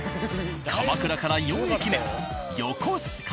鎌倉から４駅目横須賀。